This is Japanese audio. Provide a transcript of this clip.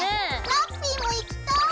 ラッピィも行きたい。